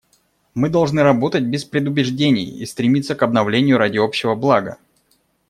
Мы должны работать без предубеждений и стремиться к обновлению ради общего блага.